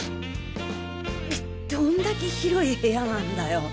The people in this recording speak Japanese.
どんだけ広い部屋なんだよ。